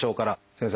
先生。